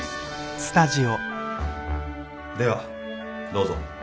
ではどうぞ。